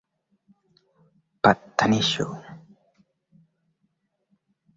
haina misingi ya kisheria ya kubadili tabia ama mawazo